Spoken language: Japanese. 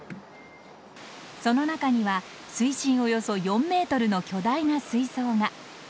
その中には水深およそ４ｍの巨大な水槽が。